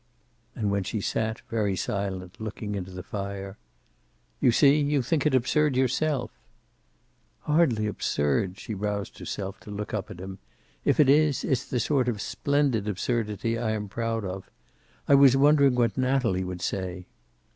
And when she sat, very silent, looking into the fire: "You see, you think it absurd yourself." "Hardly absurd," she roused herself to look up at him. "If it is, it's the sort of splendid absurdity I am proud of. I was wondering what Natalie would say."